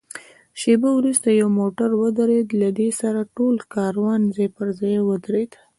شېبه وروسته یو موټر ودرېد، له دې سره ټول کاروان ځای پر ځای ودرېد.